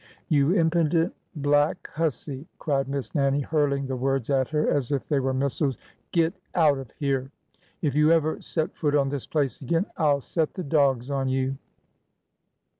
" You impudent— black— hussy !" cried Miss Nannie, hurling the words at her as if they were missiles, get out of here! If you ever set foot on this place again, I 'll set the dogs on you